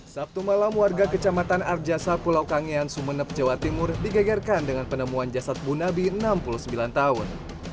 sabtu malam warga kecamatan arjasa pulau kangean sumeneb jawa timur digegarkan dengan penemuan jasad bu nabi enam puluh sembilan tahun